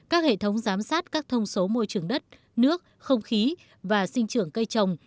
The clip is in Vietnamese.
các hệ thống giám sát các thông số môi trường đất nước không khí và sinh trưởng cây trồng